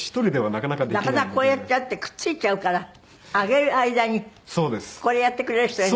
なかなかこうやっちゃってくっ付いちゃうから上げる間にこれやってくれる人が。